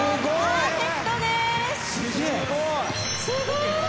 すごい。